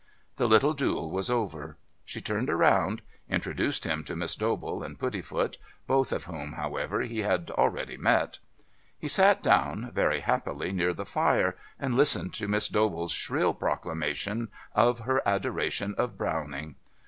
The little duel was over. She turned around, introduced him to Miss Dobell and Puddifoot, both of whom, however, he had already met. He sat down, very happily, near the fire and listened to Miss Dobell's shrill proclamation of her adoration of Browning.